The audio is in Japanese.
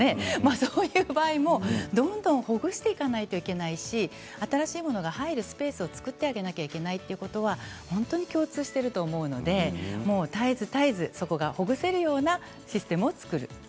そういう場合もどんどんほぐしていかないといけないし新しいものが入るスペースを作ってあげなきゃいけないということは共通していると思うので絶えず絶えずそこがほぐせるようなシステムを作る。